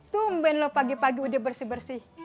tumben loh pagi pagi udah bersih bersih